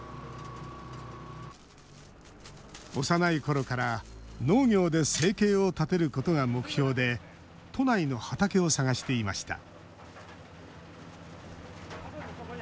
幼いころから農業で生計を立てることが目標で都内の畑を探していました